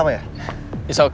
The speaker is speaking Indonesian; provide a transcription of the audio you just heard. tidak ada yang bisa dikira